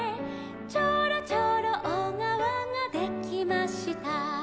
「ちょろちょろおがわができました」